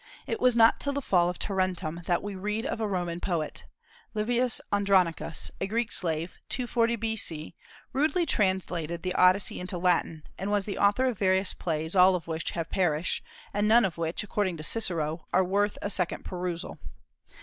It was not till the fall of Tarentum that we read of a Roman poet. Livius Andronicus, a Greek slave, 240 B.C., rudely translated the Odyssey into Latin, and was the author of various plays, all of which have perished, and none of which, according to Cicero, were worth a second perusal.